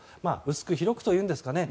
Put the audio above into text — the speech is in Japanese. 薄く広くというんですかね。